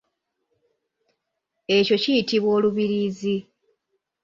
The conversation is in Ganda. Ekyo kiyitibwa olubiriizi.